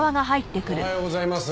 おはようございます。